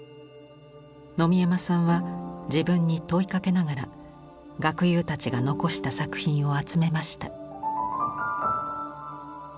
野見山さんは自分に問いかけながら学友たちが残した作品を集めました。